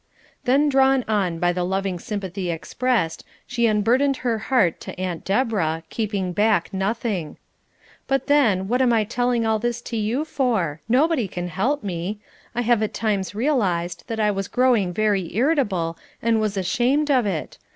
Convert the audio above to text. Then drawn on by the loving sympathy expressed, she unburdened her heart to Aunt Deborah, keeping back nothing. "But then, what am I telling all this to you for? Nobody can help me. I have at times realised that I was growing very irritable, and was ashamed of it.